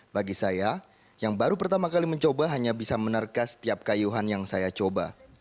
bagi saya yang baru pertama kali mencoba hanya bisa menerkas setiap kayuhan yang saya coba